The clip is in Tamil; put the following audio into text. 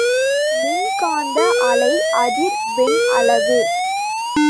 மின்காந்த அலை அதிர் வெண் அளவு.